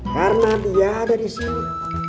karena dia ada di sini